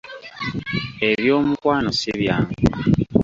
Eby’omukwano si byangu.